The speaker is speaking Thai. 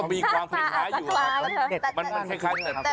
มันมันคล้ายนะครับ